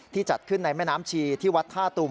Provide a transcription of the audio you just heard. จัดขึ้นในแม่น้ำชีที่วัดท่าตุม